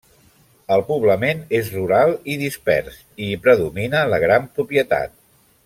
El poblament és rural i dispers, i hi predomina la gran propietat.